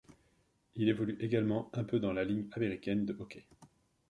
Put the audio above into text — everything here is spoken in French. Il évolue également un peu dans la Ligue américaine de hockey.